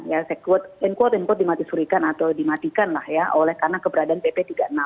ya saya quote in quote unquo dimatisurikan atau dimatikan lah ya oleh karena keberadaan pp tiga puluh enam